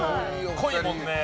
濃いもんね。